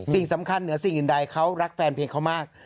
สิ่งสำคัญเหนือสิ่งอื่นใดเขารักแฟนเพลงเขามาก